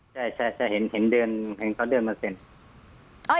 ใช่ใช่ใช่เห็นเห็นเดินเห็นเขาเดินมาเซ็น